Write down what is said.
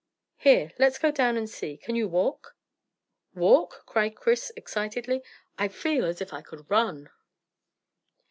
Here, let's go down and see. Can you walk?" "Walk?" cried Chris excitedly. "I feel as if I could run!"